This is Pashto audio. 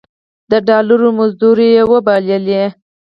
د ډالرو مزدورۍ وبللې.